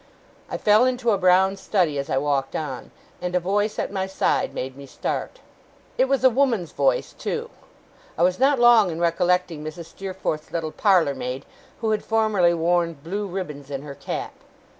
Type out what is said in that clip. I fell into a brown study as I walked on, and a voice at my side made me start. It was a woman's voice, too. I was not long in recollecting Mrs. Steerforth's little parlour maid, who had formerly worn blue ribbons in her cap.